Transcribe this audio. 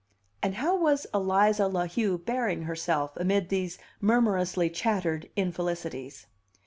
And how was Eliza La Heu bearing herself amid these murmurously chattered infelicities?